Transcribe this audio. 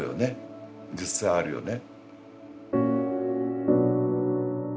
実際あるよね。